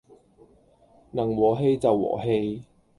能和氣就和氣